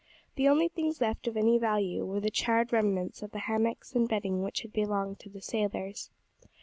The only things left of any value were the charred remnants of the hammocks and bedding which had belonged to the sailors.